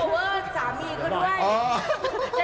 ไม่ใช่หรอคะ